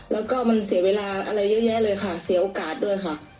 แล้วก็มันเสียเวลาอะไรเยอะแยะเลยค่ะเสียโอกาสด้วยค่ะ